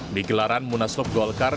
di gelaran munaslob golkar